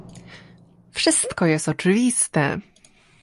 Wszystko jest oczywiste